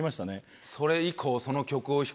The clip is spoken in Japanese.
それ以降。